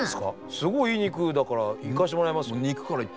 すごいいい肉だからいかせてもらいます。